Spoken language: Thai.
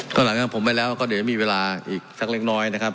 ก็หลังจากผมไปแล้วก็เดี๋ยวจะมีเวลาอีกสักเล็กน้อยนะครับ